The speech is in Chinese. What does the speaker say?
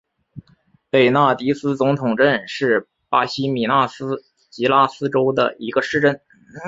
贝纳迪斯总统镇是巴西米纳斯吉拉斯州的一个市镇。